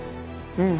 うん